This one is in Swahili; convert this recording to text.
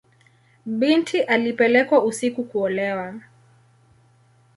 Binti alipelekwa usiku kuolewa.